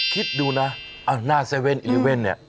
คิดดูนะอ้าวหน้าเซเว่นอยู่เว่นนี่